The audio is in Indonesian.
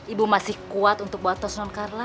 ibu masih kuat untuk membuat tas non carla